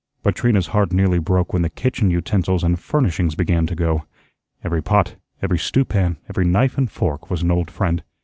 But Trina's heart nearly broke when the kitchen utensils and furnishings began to go. Every pot, every stewpan, every knife and fork, was an old friend.